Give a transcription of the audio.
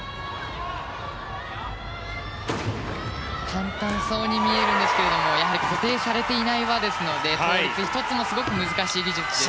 簡単そうに見えるんですがやはり固定されていない輪ですので、倒立１つもすごく難しい技術です。